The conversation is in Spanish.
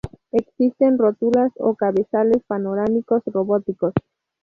Existen rótulas o cabezales panorámicos robóticos.